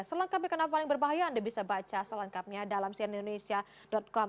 selengkapnya kenapa paling berbahaya anda bisa baca selengkapnya dalam sianindonesia com